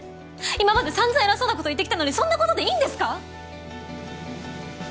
今までさんざん偉そうなこと言ってきたのにそんなことでいいんですか！